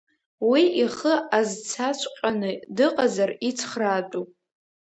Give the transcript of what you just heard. Уи ихы азцаҵәҟьоны дыҟазар, ицхраатәуп.